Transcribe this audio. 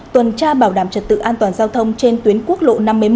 tuần tra bảo đảm trật tự an toàn giao thông trên tuyến quốc lộ năm mươi một